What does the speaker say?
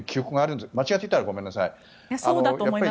間違っていたらごめんなさい。